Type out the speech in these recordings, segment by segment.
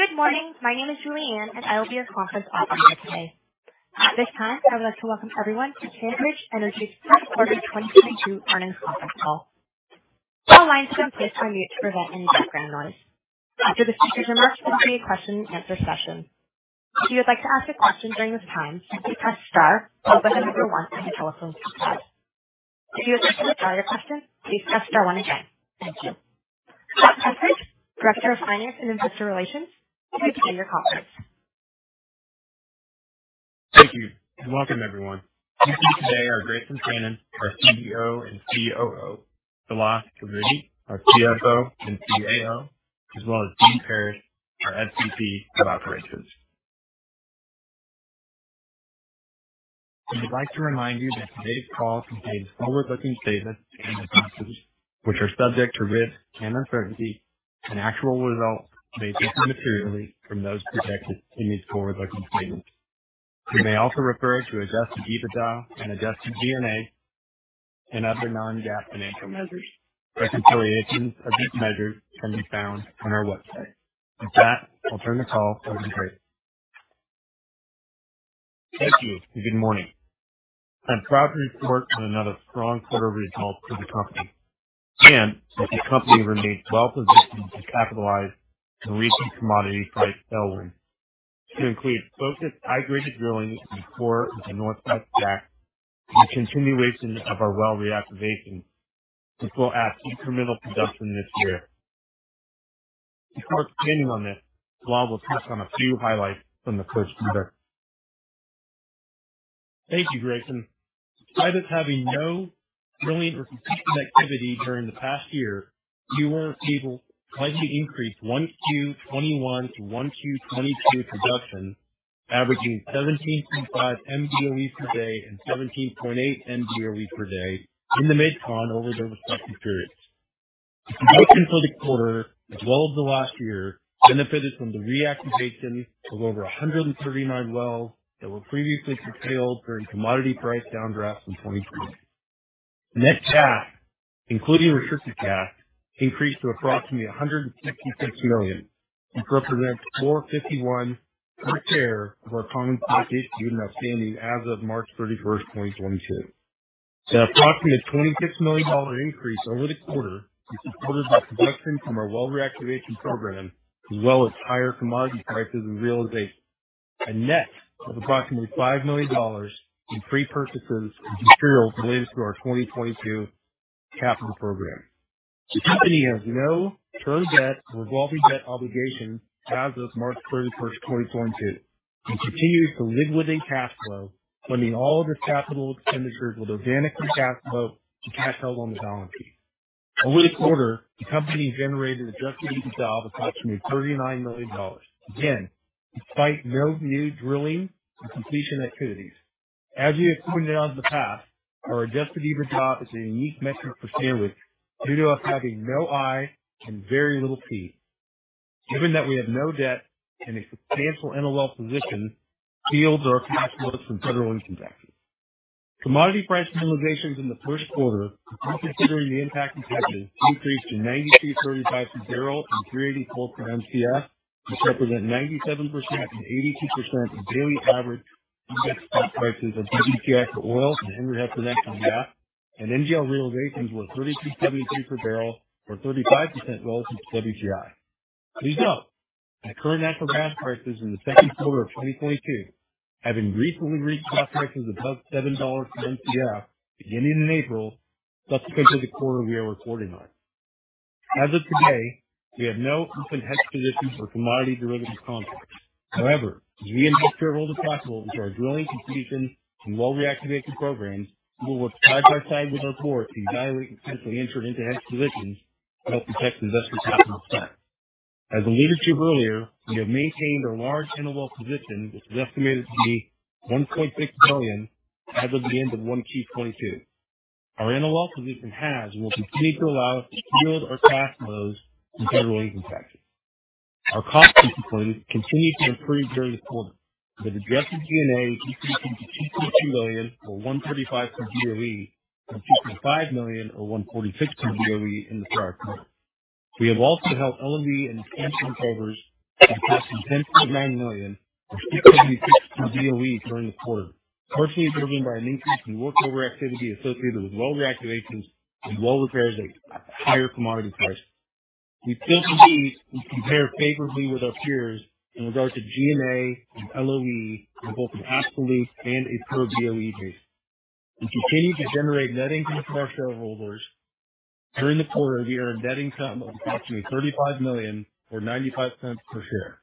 Good morning. My name is Julianne, and I will be your conference operator today. At this time, I would like to welcome everyone to SandRidge Energy's third quarter 2022 earnings conference call. All lines have been placed on mute to prevent any background noise. After the speakers have merged, there will be a question-and-answer session. If you would like to ask a question during this time, simply press star followed by the number one on your telephone keypad. If you would like to withdraw your question, please press star one again. Thank you. Scott Prestridge, Director of Finance and Investor Relations will begin your conference. Thank you and welcome everyone. With me today are Grayson Pranin, our CEO and COO. Salah Gamoudi, our CFO and CAO, as well as Dean Parrish, our SVP of Operations. We would like to remind you that today's call contains forward-looking statements and discussions which are subject to risk and uncertainty, and actual results may differ materially from those projected in these forward-looking statements. We may also refer to Adjusted EBITDA and Adjusted G&A and other non-GAAP financial measures. Reconciliations of these measures can be found on our website. With that, I'll turn the call over to Grayson. Thank you and good morning. I'm proud to report on another strong quarter of results for the company. That the company remains well-positioned to capitalize on the recent commodity price surge, including focused high-graded drilling in the core of the Northwest STACK and the continuation of our well reactivation, which will add incremental production this year. Before expanding on this, Salah will touch on a few highlights from the first quarter. Thank you, Grayson. Despite us having no drilling or completion activity during the past year, we were able to slightly increase 1Q21 to 1Q22 production, averaging 17.5 MBOEs per day and 17.8 MBOEs per day in the MidCon over their respective periods. The production for the quarter as well as the last year benefited from the reactivation of over 139 wells that were previously curtailed during commodity price downdrafts in 2023. Net cash, including restricted cash, increased to approximately $156 million, which represents $4.51 per share of our common stock issued and outstanding as of March 31st, 2022. An approximate $26 million increase over the quarter is supported by production from our well reactivation program, as well as higher commodity prices and realization. A net of approximately $5 million in prepurchases of materials related to our 2022 capital program. The company has no term debt or revolving debt obligations as of March 31st, 2022, and continues to live within cash flow, funding all of its capital expenditures with organic from cash flow to cash held on the balance sheet. Over the quarter, the company generated Adjusted EBITDA of approximately $39 million. Again, despite no new drilling and completion activities. As we have pointed out in the past, our Adjusted EBITDA is a unique metric for SandRidge due to us having no IDRs and very little PVP. Given that we have no debt and a substantial NOL position, shields our cash flow from federal income taxes. Commodity price realizations in the first quarter, after considering the impact of hedges, increased to $93.35 per barrel from $3.84 per Mcf, which represent 97% and 82% of daily average FX spot prices of WTI for oil and Henry Hub for NG. NGL realizations were $33.73 per barrel or 35% lower than WTI. Please note that current natural gas prices in the second quarter of 2022 have increasingly reached spot prices above $7 per Mcf beginning in April, subsequent to the quarter we are reporting on. As of today, we have no open hedge positions or commodity derivatives contracts. However, as we invest capital into our drilling, completion, and well reactivation programs, we will work side by side with our board to evaluate and potentially enter into hedge positions to help protect investor capital spent. As alluded to earlier, we have maintained a large NOL position, which is estimated to be $1.6 billion as of the end of 1Q 2022. Our NOL position has and will continue to allow us to shield our cash flows from federal income taxes. Our cost discipline continued to improve during the quarter, with Adjusted G&A decreasing to $2.2 million or $1.35 per BOE from $2.5 million or $1.46 per BOE in the prior quarter. We have also held LOE and workovers to approximately $10.9 million or 16.6 per BOE during the quarter, partially driven by an increase in workover activity associated with well reactivations and well repairs at higher commodity prices. We still believe we compare favorably with our peers in regards to G&A and LOE on both an absolute and a per BOE basis. We continue to generate net income for shareholders. During the quarter, we earned net income of approximately $35 million or $0.95 per share.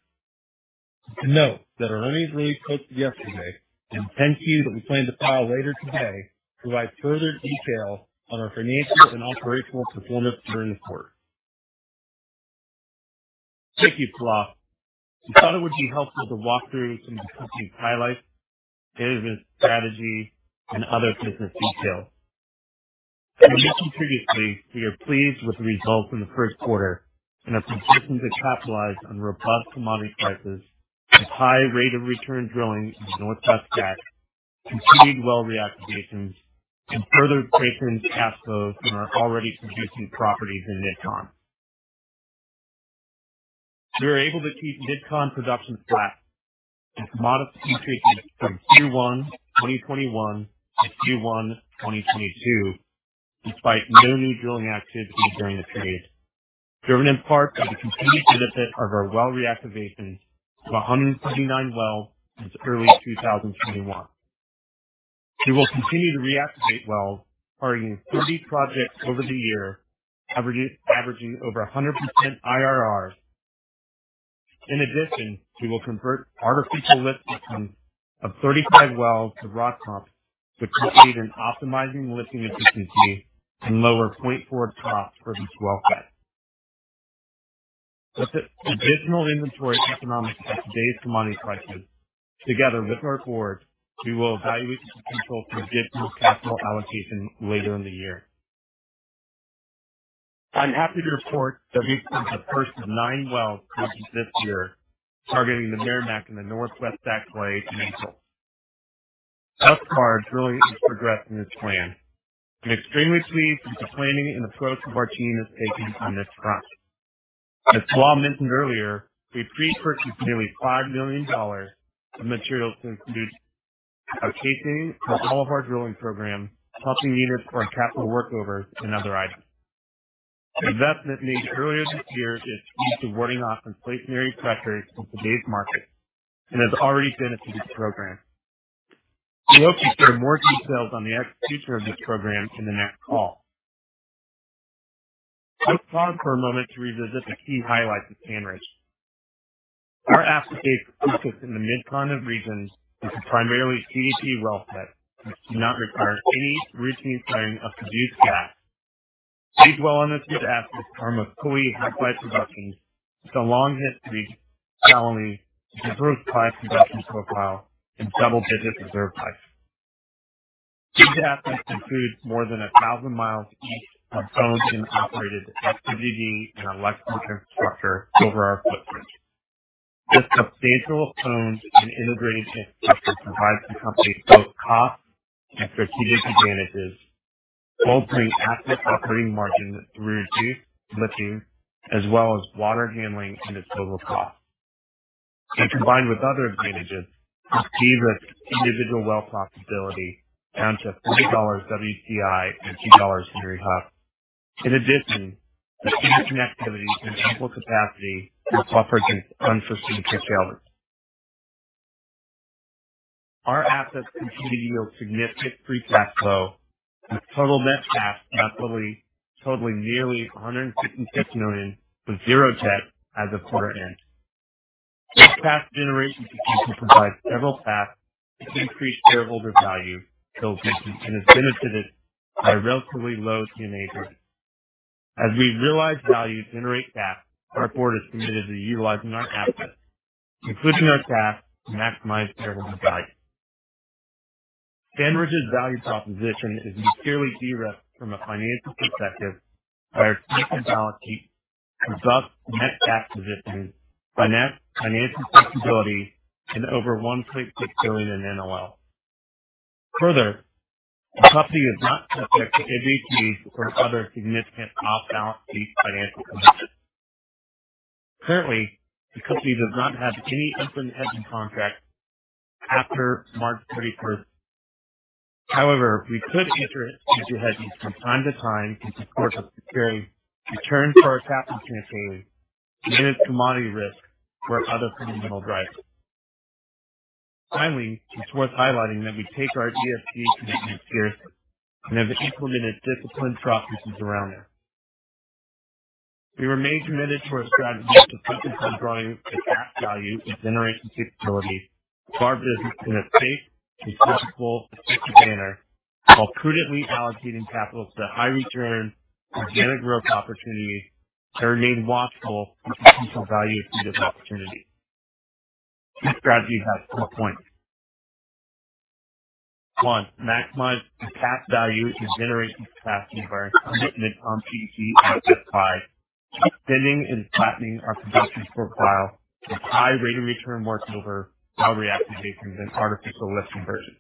Note that our earnings release posted yesterday and 10-Q that we plan to file later today provide further detail on our financial and operational performance during the quarter. Thank you, Salah. We thought it would be helpful to walk through some of the company's highlights, business strategy, and other business details. As mentioned previously, we are pleased with the results in the first quarter and are positioned to capitalize on robust commodity prices with high rate of return drilling in the Northwest STACK. Continued well reactivations and further increases cash flows from our already producing properties in Mid-Con. We were able to keep Mid-Con production flat and commodity increases from Q1 2021 to Q1 2022, despite no new drilling activity during the period, driven in part by the continued benefit of our well reactivation of 129 wells since early 2021. We will continue to reactivate wells, targeting 30 projects over the year, averaging over 100% IRR. In addition, we will convert artificial lift engines of 35 wells to rod pumps, which will lead to optimizing lifting efficiency and lower $0.4 costs for each wellhead. With the additional inventory economics at today's commodity prices, together with our board, we will evaluate the potential for additional capital allocation later in the year. I'm happy to report that we drilled the first of 9 wells produced this year, targeting the Meramec in the Northwest STACK play in April. Thus far, drilling is progressing as planned. I'm extremely pleased with the planning and approach that our team has taken on this front. As Tom mentioned earlier, we pre-purchased nearly $5 million of materials to include our casing for all of our drilling programs, pumping units for our capital workovers and other items. Investment made earlier this year is indeed warding off inflationary pressures of today's market and has already benefited the program. We hope to share more details on the execution of this program in the next call. I would pause for a moment to revisit the key highlights of SandRidge. Our asset base consists of the Mid-Continent regions with primarily CDP wellheads, which do not require any routine flaring of produced gas. These wells in this Mid-Continent asset form a fully hardwired production with a long history, seasonality, improved five production profile, and double-digit reserve life. These assets include more than 1,000 mi of owned and operated SWD and electric infrastructure over our footprint. This substantial owned and integrated infrastructure provides the company both cost and strategic advantages, both in asset operating margins through reduced lifting as well as water handling and disposal costs. Combined with other advantages, this de-risks individual well profitability down to $3 WTI and $2 Henry Hub. In addition, the asset connectivity and ample capacity will avoid some unforeseen pitfalls. Our assets continue to yield significant free cash flow, with total net cash totaling nearly $156 million, with zero debt as of quarter end. This cash generation position provides several paths to increase shareholder value, and has benefited by a relatively low unit ACRE. As we realize value to generate cash, our board is committed to utilizing our assets, including our cash, to maximize shareholder value. SandRidge's value proposition is materially de-risked from a financial perspective by our strong balance sheet, robust net cash position, financial flexibility, and over $1.6 billion in NOL. Further, the company is not subject to IDRs or other significant off-balance sheet financial commitments. Currently, the company does not have any implemented hedging contracts after 31st March. However, we could enter into hedging from time to time to support the certainty return for our capital expenditures, manage commodity risk or other fundamental drivers. Finally, it's worth highlighting that we take our ESG commitments seriously and have implemented disciplined processes around them. We remain committed to our strategy to focus on growing the cash value and generating capabilities of our business in a safe, responsible, and steady manner, while prudently allocating capital to high return, organic growth opportunities that remain watchful for potential value-accretive opportunities. This strategy has four points. One, maximize the cash value and generating capacity of our commitment on CDP SF5, extending and flattening our production profile with high rate of return workover, well reactivations and artificial lift conversions.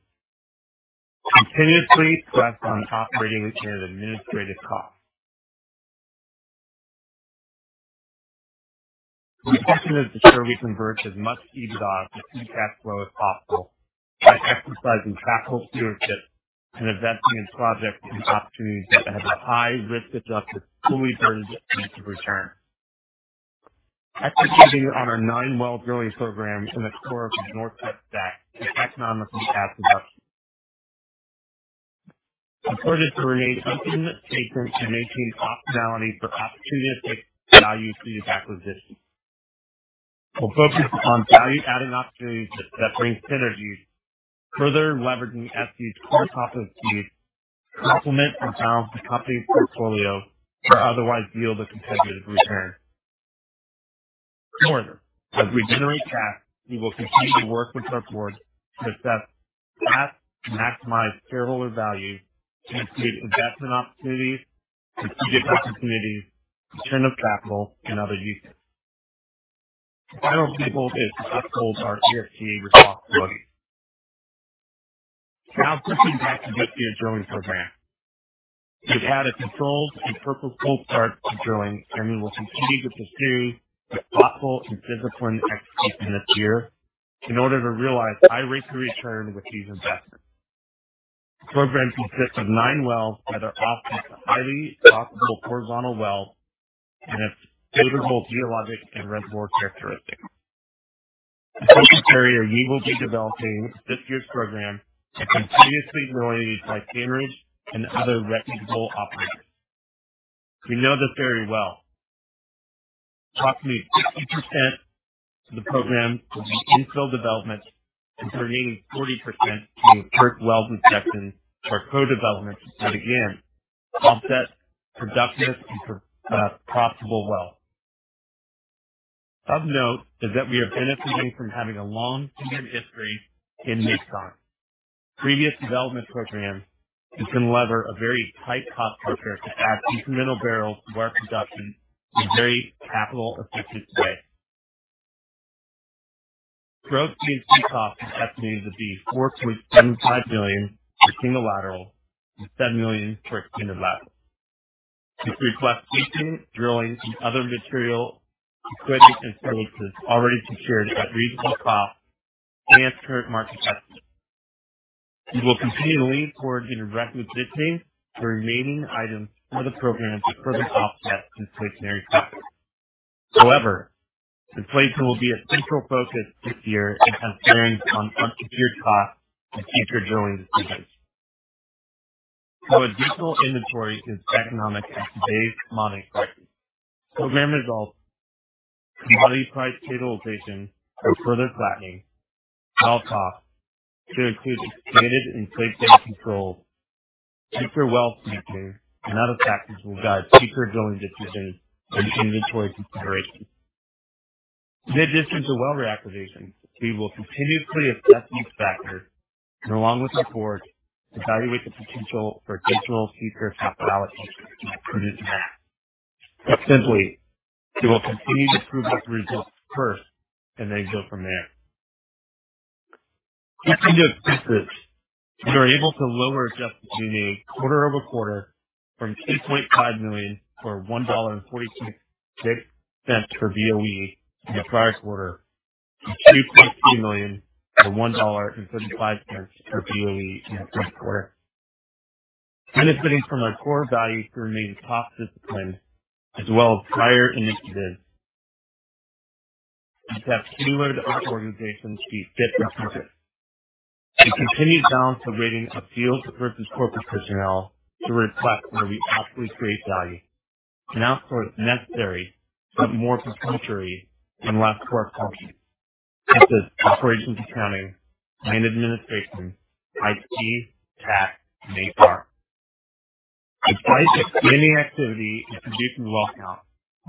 Continuously press on operating and administrative costs. Our intention is to ensure we convert as much EBITDA to free cash flow as possible by exercising practical stewardship and investing in projects and opportunities that have a high risk-adjusted fully burdened net return. Executing on our nine-well drilling program in the core of the Northwest STACK is economically cash-accretive. I'm committed to remain open-minded, patient, and maintain optionality for opportunistic value-accretive acquisitions. We'll focus on value-adding opportunities that bring synergies, further leveraging SD's core competence to complement and balance the company's portfolio or otherwise yield a competitive return. Further, as we generate cash, we will continue to work with our board to assess cash to maximize shareholder value and include investment opportunities in ESG opportunities, return of capital and other uses. The final table is the capital target year-to-year cost plug. Now switching back to this year's drilling program. We've had a controlled and purposeful start to drilling, and we will continue to pursue responsible and disciplined execution this year in order to realize high rates of return with these investments. The program consists of nine wells that are optimal, highly profitable horizontal wells, and have favorable geologic and reservoir characteristics. In each area, we will be developing this year's program, continuously reviewed by Cambridge and other reputable operators. We know this area well. Approximately 50% of the program will be infill development, and the remaining 40% being riskier well development or co-development to find a new offset, productive and profitable wells. Of note is that we are benefiting from having a long-proven history in Mid-Continent. Previous development programs, we can leverage a very tight cost structure to add incremental barrels to our production in a very capital-efficient way. Gross MVP cost is estimated to be $4.75 million for single laterals and $7 million for a twin lateral. This reflects leasing, drilling, and other material equipment and services already secured at reasonable cost and its current market estimates. We will continue to lean toward indirect positioning for remaining items for the program to further offset inflationary pressures. However, inflation will be a central focus this year in comparing our secured costs to future drilling decisions. Our drillable inventory is economic at today's commodity prices. Program results, commodity price stabilization or further flattening, well costs that includes committed inflation controls, future well spacing, and other factors will guide future drilling decisions and inventory considerations. In addition to well reactivations, we will continuously assess each factor and along with our board, evaluate the potential for additional future capital options as they present themselves. Put simply, we will continue to prove up the reserves first and then go from there. Getting to expenses, we are able to lower Adjusted EBITDA quarter-over-quarter from $8.5 million or $1.46 per BOE in the prior quarter to $6.3 million or $1.35 per BOE in the third quarter. Benefiting from our core values to remain cost disciplined as well as prior initiatives that's tailored our organization to be fit and focused. A continued balance of weighting of field versus corporate personnel to reflect where we actually create value and outsource necessary, but more proprietary and less core functions such as operations, accounting, land administration, IT, tax, and HR. Despite the spending activity and producing well count,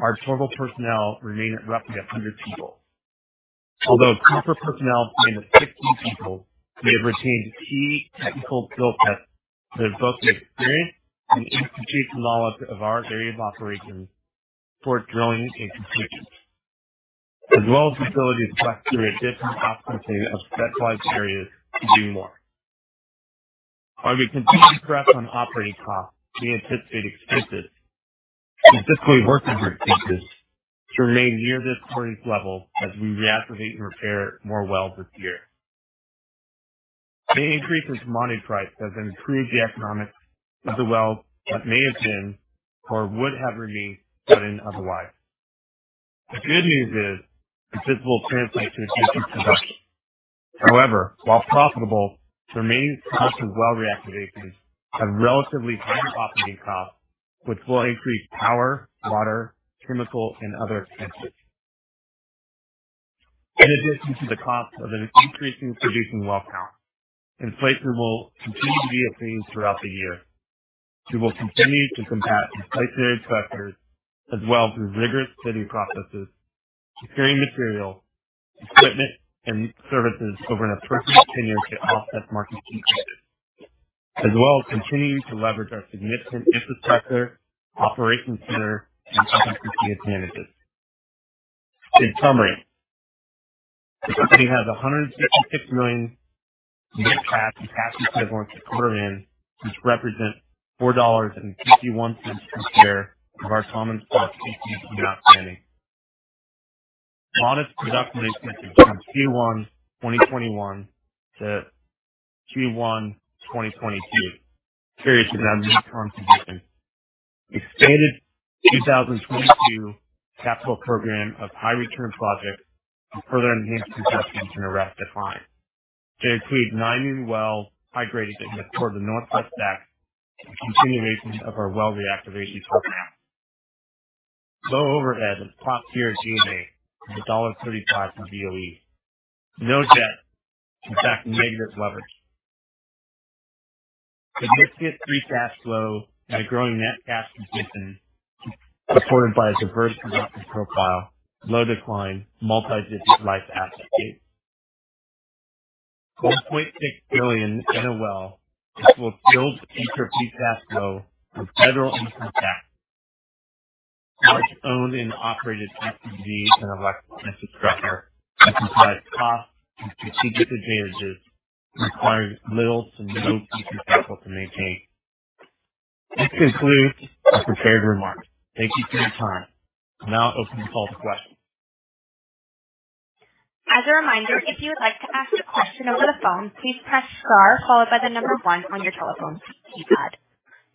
our total personnel remain at roughly 100 people. Although corporate personnel remain at 16 people, we have retained key technical skill sets that have both the experience and institutional knowledge of our area of operations to support drilling and completion, as well as the ability to flex through a different competency of specialized areas to do more. On the continued progress on operating costs, we anticipate expenses, specifically working group expenses, to remain near this quarter's level as we reactivate and repair more wells this year. The increase in commodity price has improved the economics of the wells that may have been or would have remained shut in otherwise. The good news is this will translate to increased production. However, while profitable, the remaining costs of well reactivations have relatively higher operating costs, which will increase power, water, chemical, and other expenses. In addition to the cost of an increasing producing well count, inflation will continue to be a theme throughout the year. We will continue to combat inflationary pressures as well as through rigorous bidding processes, securing material, equipment, and services over an appropriate tenure to offset market increases, as well as continuing to leverage our significant infrastructure, operations center, and efficiency advantages. In summary, the company has $156 million in net cash and cash equivalents at quarter end, which represent $4.51 per share of our common stock, PVP outstanding. Modest production increases from Q1 2021-Q1 2022. Serious and unique current conditions. Expanded 2022 capital program of high return projects to further enhance production and arrest decline. They include 9 new wells, high gradings toward the Northwest STACK, and continuation of our well reactivation program. Low overhead and top-tier G&A of $1.35 per BOE. No debt. In fact, negative leverage. Significant free cash flow and a growing net cash position supported by a diverse production profile, low decline, multi-decade life asset base. $1.6 billion in NOLs that will build free cash flow from federal income tax. Fully owned and operated SWDs and electric compressors that comprise costs and strategic advantages require little to no future capital to maintain. This concludes my prepared remarks. Thank you for your time. I'll now open the call to questions. As a reminder, if you would like to ask a question over the phone, please press star followed by the number one on your telephone keypad.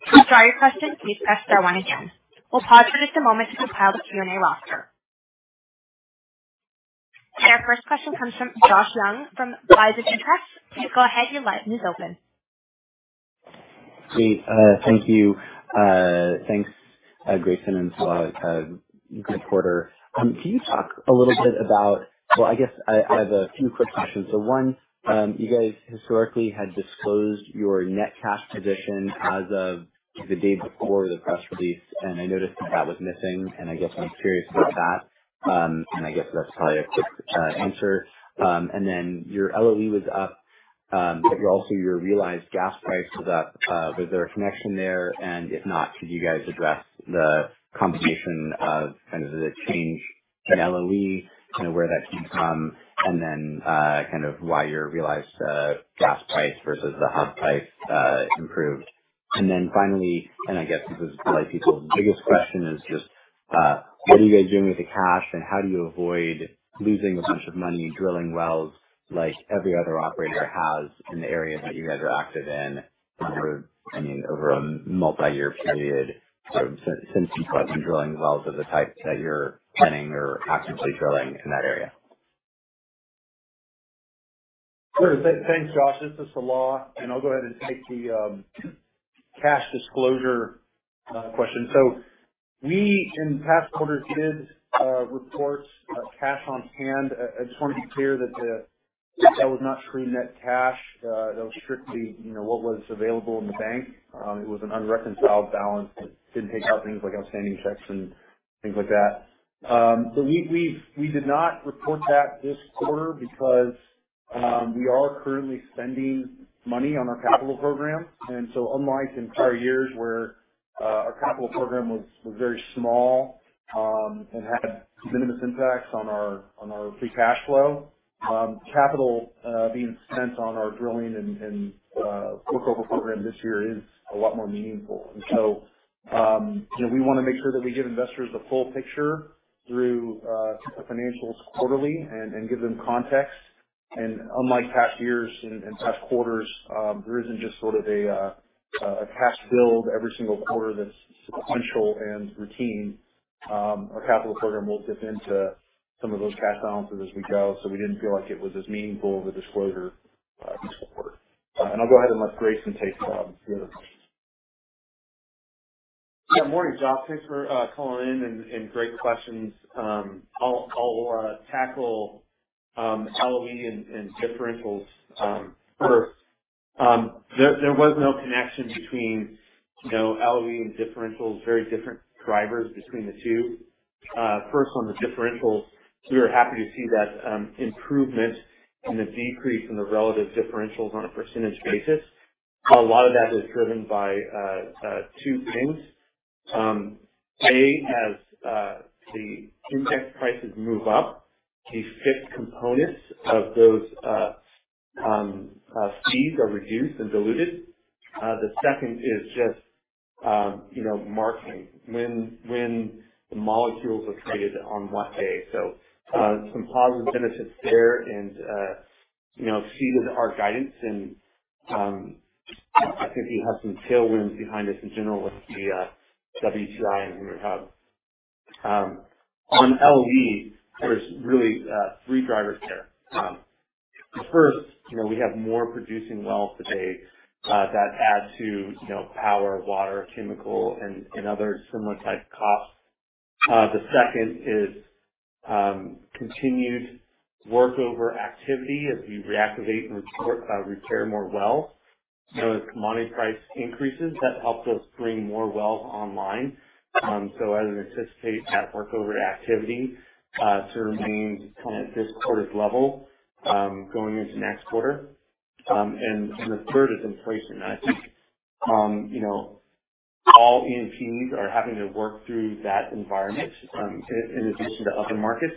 To withdraw your question, please press star one again. We'll pause for just a moment to compile the Q&A roster. Our first question comes from Josh Young from Bison Interests. Please go ahead. Your line is open. Great. Thank you. Thanks, Grayson and Salah. Good quarter. Can you talk a little bit about. Well, I guess I have a few quick questions. One, you guys historically had disclosed your net cash position as of the day before the press release, and I noticed that that was missing, and I guess I'm curious about that. I guess that's probably a quick answer. Your LOE was up, but also your realized gas price was up. Was there a connection there? If not, could you guys address the combination of, kind of the change in LOE, kind of where that came from and then, kind of why your realized gas price versus the hub price improved? Then finally, I guess this is probably people's biggest question, is just, what are you guys doing with the cash and how do you avoid losing a bunch of money drilling wells like every other operator has in the areas that you guys are active in? Kind of, I mean, over a multi-year period of since you've started drilling wells of the types that you're planning or actively drilling in that area. Thanks, Josh. This is Salah. I'll go ahead and take the cash disclosure question. We in past quarters did report cash on hand. I just want to be clear that that was not true net cash. That was strictly, you know, what was available in the bank. It was an unreconciled balance that didn't take out things like outstanding checks and things like that. We did not report that this quarter because we are currently spending money on our capital program. Unlike in prior years where our capital program was very small and had minimum impacts on our free cash flow, capital being spent on our drilling and work over program this year is a lot more meaningful. You know, we wanna make sure that we give investors the full picture through the financials quarterly and give them context. Unlike past years and past quarters, there isn't just sort of a cash build every single quarter that's sequential and routine. Our capital program will dip into some of those cash balances as we go, so we didn't feel like it was as meaningful of a disclosure this quarter. I'll go ahead and let Grayson take the other questions. Yeah. Morning, Josh. Thanks for calling in and great questions. I'll tackle LOE and differentials. First, there was no connection between, you know, LOE and differentials, very different drivers between the two. First, on the differentials, we are happy to see that improvement in the decrease in the relative differentials on a percentage basis. A lot of that is driven by two things. A, as the index prices move up, the fixed components of those fees are reduced and diluted. The second is just, you know, marking when the molecules are traded on what day. Some positive benefits there and, you know, exceeded our guidance and I think we have some tailwinds behind us in general with the WTI and Henry Hub. On LOE, there's really three drivers there. The first, you know, we have more producing wells today that add to, you know, power, water, chemical and other similar type costs. The second is continued work over activity as we reactivate and repair more wells. You know, as commodity price increases, that helps us bring more wells online. I would anticipate that work over activity to remain kind of at this quarter's level going into next quarter. The third is inflation. I think, you know, all E&Ps are having to work through that environment in addition to other markets.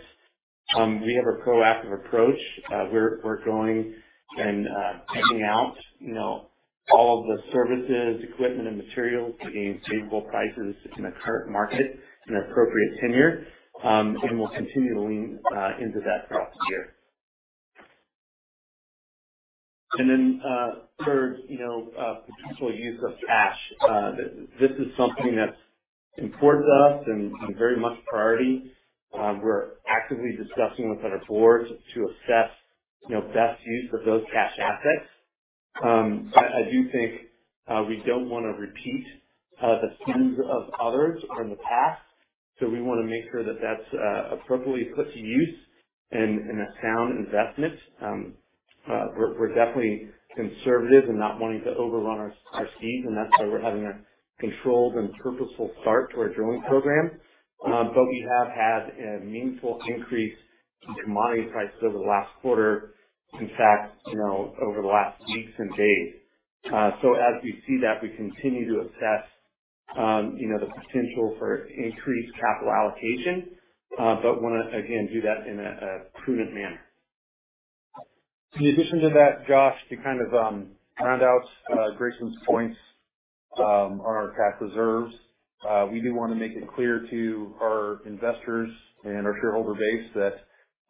We have a proactive approach. We're bidding out, you know, all of the services, equipment and materials to gain favorable prices in the current market and appropriate tenure. We'll continue to lean into that throughout the year. Then, third, you know, potential use of cash. This is something that's important to us and very much priority. We're actively discussing with our board to assess, you know, best use of those cash assets. I do think we don't wanna repeat the sins of others from the past, so we wanna make sure that that's appropriately put to use and a sound investment. We're definitely conservative in not wanting to overrun our ceiling, and that's why we're having a controlled and purposeful start to our drilling program. We have had a meaningful increase in commodity prices over the last quarter. In fact, you know, over the last weeks and days. As we see that, we continue to assess, you know, the potential for increased capital allocation, but wanna again, do that in a prudent manner. In addition to that, Josh, to kind of round out Grayson's points on our cash reserves, we do wanna make it clear to our investors and our shareholder base that,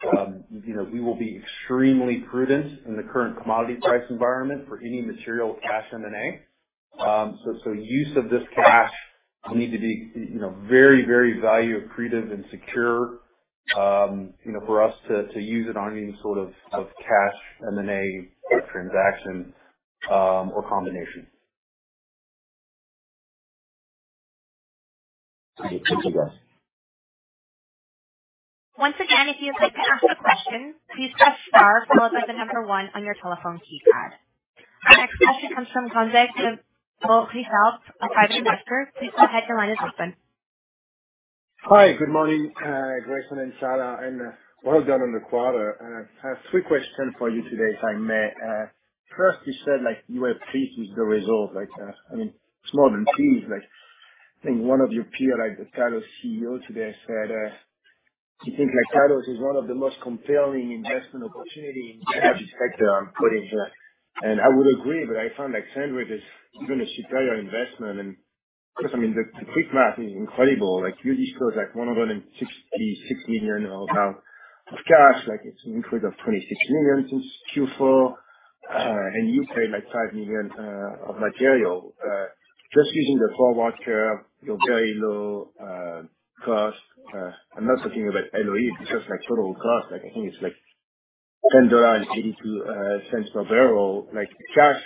you know, we will be extremely prudent in the current commodity price environment for any material cash M&A. So use of this cash will need to be, you know, very, very value accretive and secure, you know, for us to use it on any sort of cash M&A transaction or combination. Thanks, Josh. Once again, if you would like to ask a question, please press star followed by the number one on your telephone keypad. Our next question comes from Jonathan Frates from Fulcrum Health, a private investor. Please go ahead, your line is open. Hi, good morning, Grayson and Salah Gamoudi, and well done on the quarter. I have three questions for you today, if I may. First you said, like, you were pleased with the results. Like, I mean, it's more than pleased. Like, I think one of your peer, like the Callon CEO today said, he thinks like Callon is one of the most compelling investment opportunity in the energy sector on footage. I would agree, but I find like SandRidge is even a superior investment. Of course, I mean, the quick math is incredible. Like, you disclosed like $166 million or thereabouts of cash. Like it's an increase of $26 million since Q4. and you pay like $5 million of material. Just using the forward curve, your very low cost. I'm not talking about LOE, it's just like total cost. Like I think it's like $10.82 per barrel. Like cash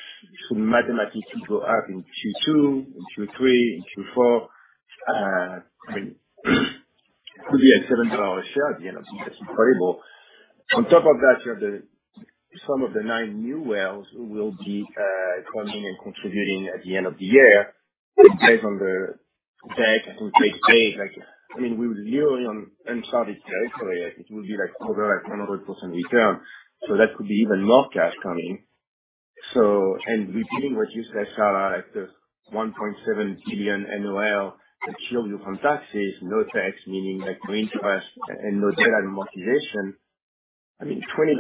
should mathematically go up in Q2, in Q3, in Q4. I mean, it could be at $7 a share at the end of the year. That's incredible. On top of that, you have then some of the 9 new wells who will be coming and contributing at the end of the year based on the deck who take eight. Like, I mean, we're literally on uncharted territory. Like it will be like over 100% return, so that could be even more cash coming. Repeating what you said, Salah, like the $1.7 billion NOL that shield you from taxes, no tax meaning like no interest and no debt and motivation. I mean, $20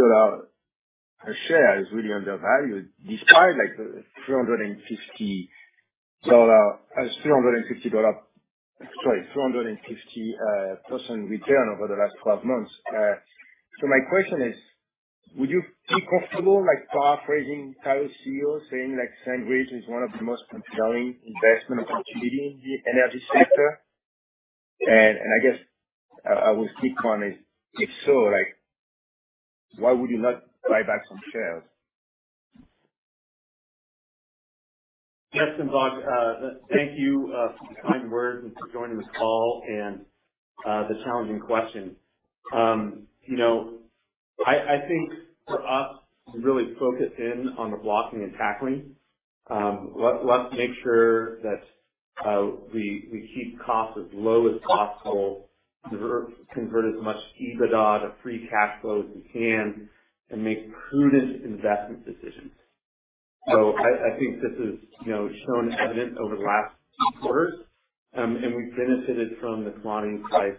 a share is really undervalued despite like the 350% return over the last 12 months. My question is, would you feel comfortable, like paraphrasing Callon's CEO saying like, SandRidge is one of the most compelling investment opportunity in the energy sector? I guess I will keep going is if so, like why would you not buy back some shares? Yes. Jon, thank you for the kind words and for joining this call and the challenging question. You know, I think for us to really focus in on the blocking and tackling, let's make sure that we keep costs as low as possible, convert as much EBITDA to free cash flow as we can and make prudent investment decisions. I think this is shown evident over the last two quarters. We've benefited from the commodity price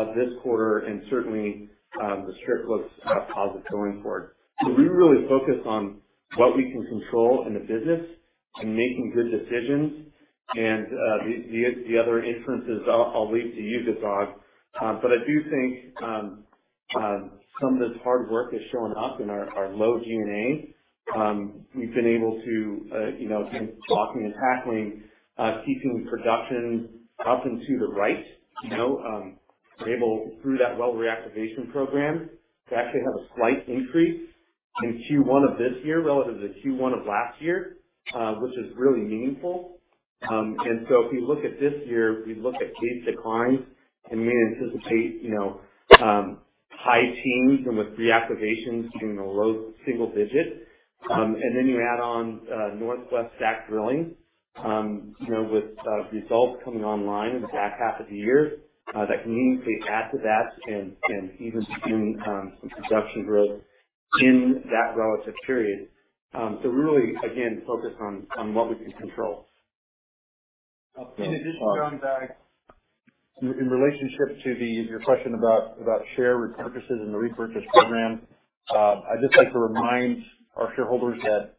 of this quarter and certainly the strip looks positive going forward. We really focus on what we can control in the business and making good decisions. The other inferences I'll leave to you, Josh. I do think some of this hard work is showing up in our low G&A. We've been able to, you know, again, blocking and tackling, keeping production up and to the right, you know. We're able through that well reactivation program to actually have a slight increase in Q1 of this year relative to Q1 of last year, which is really meaningful. If you look at this year, we look at these declines and we anticipate, you know, high teens and with reactivations in the low single digits. You add on Northwest STACK drilling, you know, with results coming online in the back half of the year, that can meaningfully add to that and even begin some production growth in that relative period. We're really, again, focused on what we can control. In addition to Jon, in relationship to your question about share repurchases and the repurchase program. I'd just like to remind our shareholders that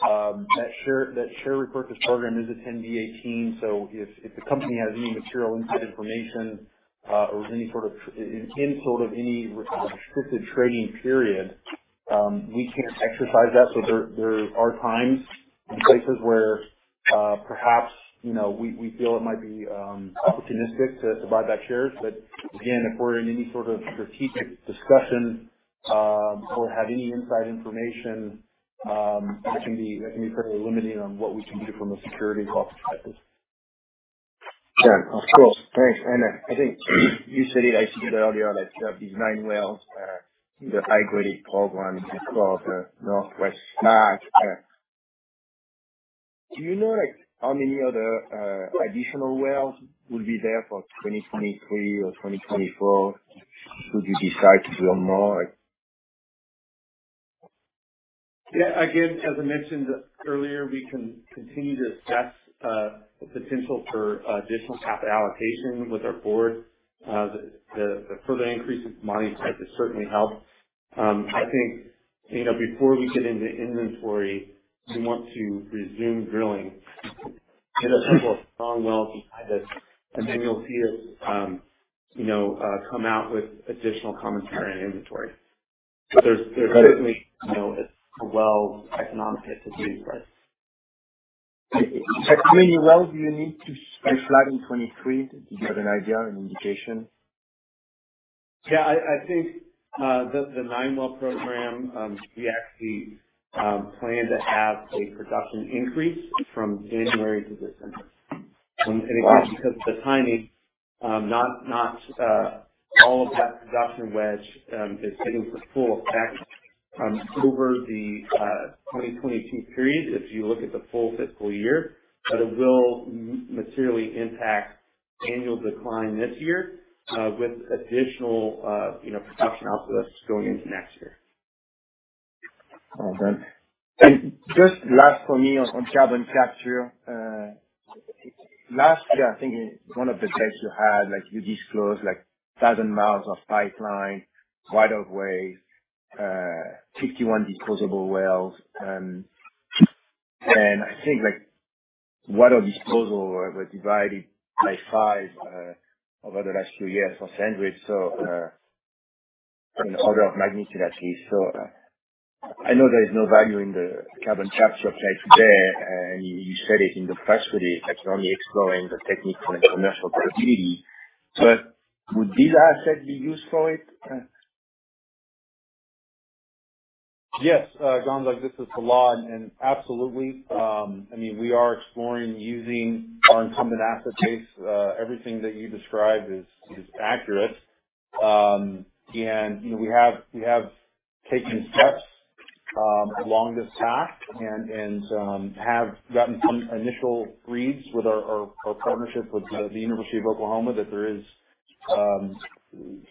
that share repurchase program is a 10b-18, so if the company has any material inside information or any sort of restricted trading period, we can't exercise that. There are times and places where, perhaps, you know, we feel it might be opportunistic to buy back shares. Again, if we're in any sort of strategic discussion or have any inside information, that can be fairly limiting on what we can do from a securities law perspective. Yeah. Of course. Thanks. I think you said it, I see earlier that these nine wells, the high-grade program across the Northwest STACK. Do you know, like how many other, additional wells will be there for 2023 or 2024 should you decide to do more? Yeah, again, as I mentioned earlier, we can continue to assess the potential for additional capital allocation with our board. The further increase in WTI has certainly helped. I think, you know, before we get into inventory, we want to resume drilling. Get a couple of strong wells behind us, and then you'll see us, you know, come out with additional commentary on inventory. There's certainly, you know, it's a well economic activity, right? How many wells do you need to slide in 2023? To get an idea or an indication. Yeah, I think the nine-well program we actually plan to have a production increase from January to December. Again, because of the timing, not all of that production wedge is taking full effect over the 2022 period if you look at the full fiscal year. It will materially impact annual decline this year with additional you know production output going into next year. Well done. Just last for me on carbon capture. Last year, I think in one of the decks you had, like, you disclosed, like, 1,000 mi of pipeline right of way, 51 disposal wells. I think, like, water disposal was divided by five over the last few years for SandRidge. In order of magnitude at least. I know there is no value in the carbon capture play today, and you said it in the press release. It's only exploring the technical and commercial possibility. Would these assets be used for it? Yes, Jonathan Frates, this is Salah Gamoudi. Absolutely, I mean, we are exploring using our incumbent asset base. Everything that you described is accurate. You know, we have taken steps along this path and have gotten some initial reads with our partnership with the University of Oklahoma that there is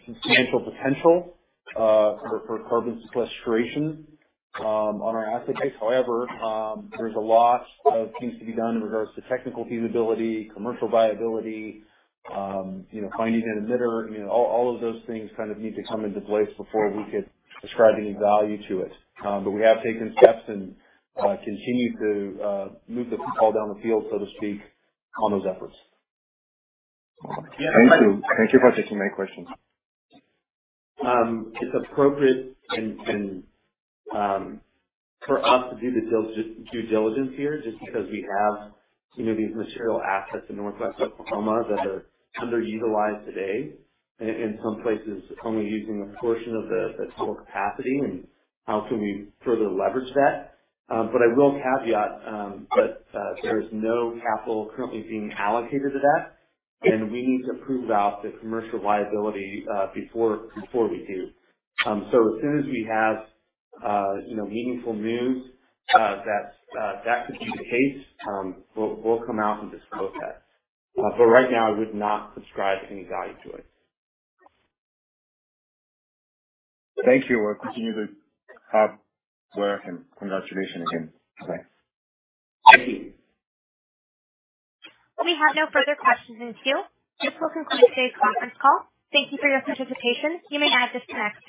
substantial potential for carbon sequestration on our asset base. However, there's a lot of things to be done in regards to technical feasibility, commercial viability, you know, finding an emitter. You know, all of those things kind of need to come into place before we could ascribe any value to it. We have taken steps and continue to move the football down the field, so to speak, on those efforts. Thank you. Thank you for taking my question. It's appropriate and for us to do the due diligence here, just because we have, you know, these material assets in Northwest Oklahoma that are underutilized today in some places only using a portion of the total capacity, and how can we further leverage that? I will caveat that there is no capital currently being allocated to that, and we need to prove out the commercial viability before we do. As soon as we have, you know, meaningful news that could be the case, we'll come out and disclose that. Right now, I would not ascribe any value to it. Thank you. We'll continue the hard work. Congratulations again. Bye-bye. Thank you. We have no further questions in queue. This will conclude today's conference call. Thank you for your participation. You may now disconnect.